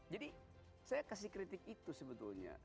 jadi saya kasih kritik itu sebetulnya